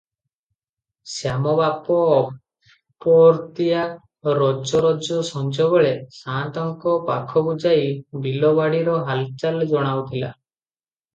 ଶ୍ୟାମ ବାପ ଅପର୍ତ୍ତିଆ ରୋଜରୋଜ ସଞ୍ଜବେଳେ ସାଆନ୍ତଙ୍କ ପାଖକୁ ଯାଇ ବିଲବାଡ଼ିର ହାଲଚାଲ ଜଣାଉଥିଲା